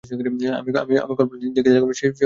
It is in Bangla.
আমি কল্পনায় দেখিতে লাগিলাম, সে ভালো করিয়া খায় না।